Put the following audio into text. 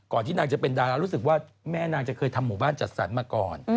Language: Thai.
ที่นางจะเป็นดารารู้สึกว่าแม่นางจะเคยทำหมู่บ้านจัดสรรมาก่อน